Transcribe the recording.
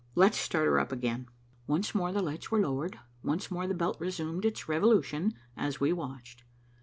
Let's start her up again." Once more the lights were lowered, once more the belt resumed its revolution, as we watched.